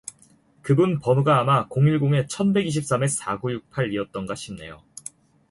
그분 번호가 아마 공일공에 천백이십삼에 사구육팔 이었던가 싶네요.